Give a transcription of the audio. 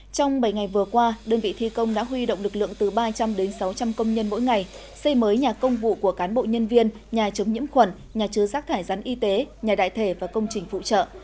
trong bảy ngày vừa qua đơn vị thi công đã huy động lực lượng từ ba trăm linh đến sáu trăm linh công nhân mỗi ngày xây mới nhà công vụ của cán bộ nhân viên nhà chống nhiễm khuẩn nhà chứa rác thải rắn y tế nhà đại thể và công trình phụ trợ